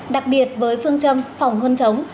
đặc biệt với phương châm phòng hôn chống